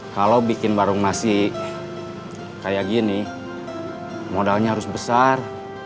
kalau bikin warung masih kayak gini modalnya harus besar